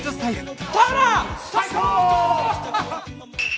最高！